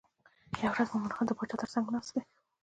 یوه ورځ مومن خان د باچا تر څنګ ناست دی.